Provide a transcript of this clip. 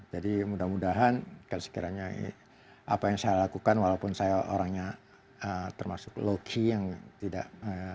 jadi mudah mudahan sekiranya apa yang saya lakukan walaupun saya orangnya termasuk loki yang tidak